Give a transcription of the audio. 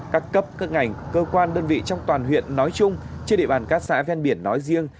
các cấp các ngành cơ quan đơn vị trong toàn huyện nói chung trên địa bàn các xã ven biển nói riêng